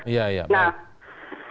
ya ya baik